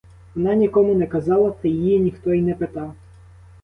Вона нікому не казала, та її ніхто й не питав.